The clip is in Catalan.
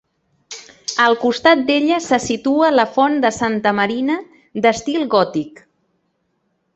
Al costat d'ella se situa la font de Santa Marina, d'estil gòtic.